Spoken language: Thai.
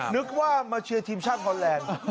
นึกว่ามาเชียร์ทีมชาติฮอนแลนด์